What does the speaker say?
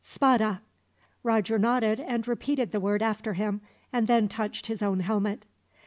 "'Spada.'" Roger nodded, and repeated the word after him, and then touched his own helmet.